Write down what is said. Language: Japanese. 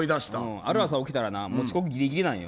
ある朝起きたら遅刻ギリギリなんよ。